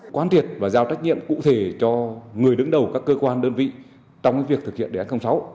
quán thiệt và giao trách nhiệm cụ thể cho người đứng đầu các cơ quan đơn vị trong việc thực hiện đề án sáu